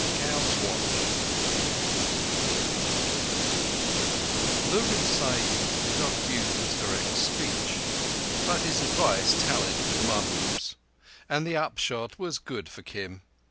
—Old Play. Lurgan Sahib did not use as direct speech, but his advice tallied with Mahbub's; and the upshot was good for Kim.